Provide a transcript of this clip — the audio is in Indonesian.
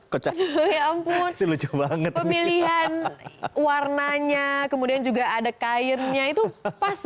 kecoh kecoh ya ampun itu coba ngetik pemilihan warnanya kemudian juga ada kayunya itu pas